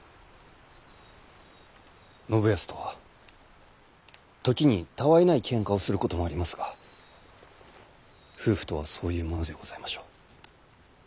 信康とは時にたわいないけんかをすることもありますが夫婦とはそういうものでございましょう。